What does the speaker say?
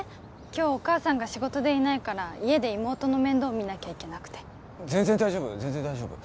今日お母さんが仕事でいないから家で妹の面倒見なきゃいけなくて全然大丈夫